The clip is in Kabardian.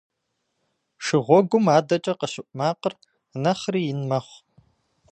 Шыгъуэгум адэкӏэ къыщыӏу макъыр нэхъри ин мэхъу.